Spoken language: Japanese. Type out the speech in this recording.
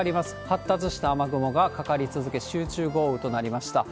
発達した雨雲がかかり続け、集中豪雨となりました。